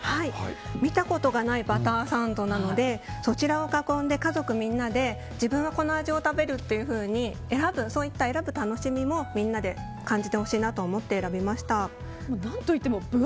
見たことがないバターサンドなのでそちらを囲んで家族みんなで自分はこの味を食べるというふうにそういった選ぶ楽しみもみんなで感じてほしいなと思って選びました。